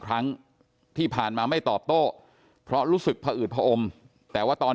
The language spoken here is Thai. ครั้งที่ผ่านมาไม่ตอบโต้เพราะรู้สึกผอืดผอมแต่ว่าตอน